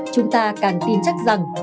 chúng ta càng tin chắc rằng